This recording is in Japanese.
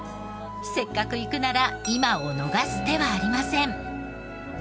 せっかく行くなら今を逃す手はありません！